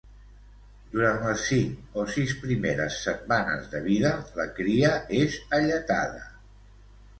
Durant les cinc o sis primeres setmanes de vida, la cria és alletada.